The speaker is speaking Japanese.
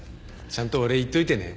ちゃんとお礼言っといてね。